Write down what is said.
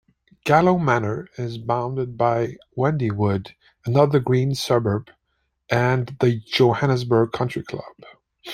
Gallo Manor is bounded by Wendywood, another green suburb, and the Johannesburg Country Club.